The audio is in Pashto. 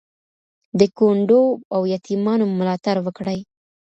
د کونډو او یتیمانو ملاتړ وکړئ.